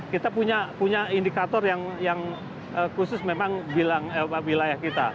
kita punya indikator yang khusus memang wilayah kita